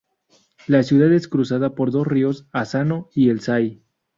La ciudad es cruzada por dos ríos: Asano y el Sai.